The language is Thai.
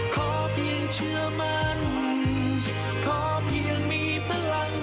ขอเพียงเชื่อมั่นขอเพียงมีพลัง